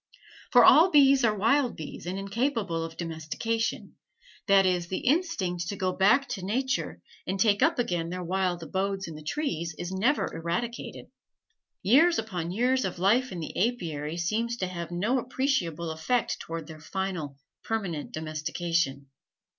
For all bees are wild bees and incapable of domestication; that is, the instinct to go back to nature and take up again their wild abodes in the trees is never eradicated. Years upon years of life in the apiary seems to have no appreciable effect towards their final, permanent domestication.